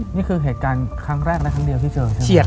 นี่คือเหตุการณ์ครั้งแรกและครั้งเดียวที่เจอใช่ไหม